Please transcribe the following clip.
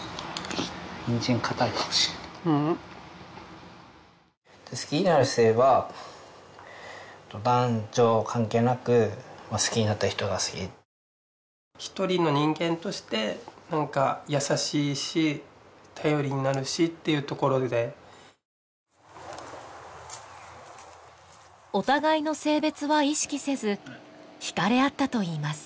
にんじんかたいかもしれないううん好きになる性は男女関係なく好きになった人が好き１人の人間として優しいし頼りになるしっていうところでお互いの性別は意識せずひかれ合ったといいます